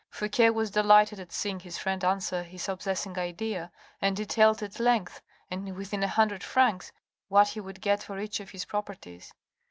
Fouque was delighted at seeing his friend answer his obsessing idea, and detailed at length, and within a hundred francs, what he would get for each of his properties.